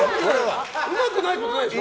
うまくないことないでしょ？